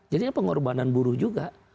jadi ini pengorbanan buruh juga